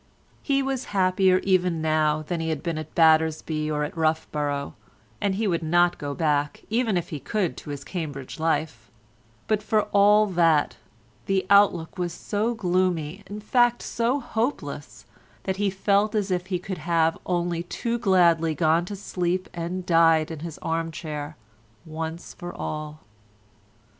He was happier even now than he had been at Battersby or at Roughborough, and he would not now go back, even if he could, to his Cambridge life, but for all that the outlook was so gloomy, in fact so hopeless, that he felt as if he could have only too gladly gone to sleep and died in his arm chair once for all.